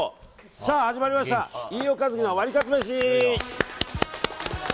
さあ始まりました飯尾和樹のワリカツめし。